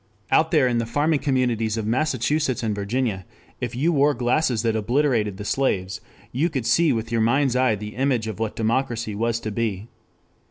Out there in the farming communities of Massachusetts and Virginia, if you wore glasses that obliterated the slaves, you could see with your mind's eye the image of what democracy was to be.